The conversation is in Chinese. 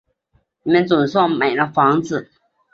你们总算买了房子